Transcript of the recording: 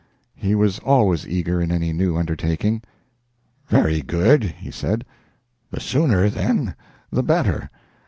He was always eager in any new undertaking. "Very good," he said, "the sooner, then, the better.